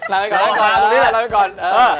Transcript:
เราไปก่อน